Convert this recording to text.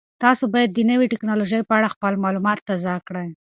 تاسو باید د نوې تکنالوژۍ په اړه خپل معلومات تازه کړئ.